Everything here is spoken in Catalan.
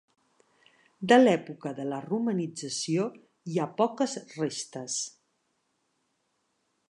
De l'Època de la romanització, hi ha poques restes.